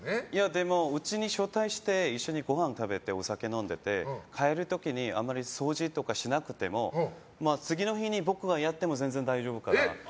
でもうちに招待して一緒にごはん食べてお酒飲んでて、帰る時にあまり掃除とかしなくても次の日に僕がやっても全然大丈夫かなって。